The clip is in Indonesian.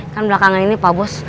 kan belakangan ini pak bos